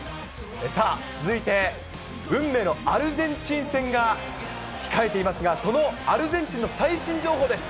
さあ、続いて運命のアルゼンチン戦が控えていますが、そのアルゼンチンの最新情報です。